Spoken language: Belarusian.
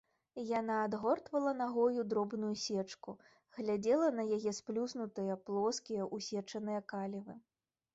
Яна адгортвала нагою дробную сечку, глядзела на яе сплюснутыя, плоскія, усечаныя калівы.